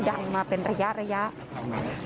โชว์บ้านในพื้นที่เขารู้สึกยังไงกับเรื่องที่เกิดขึ้น